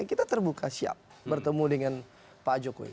kita terbuka siap bertemu dengan pak jokowi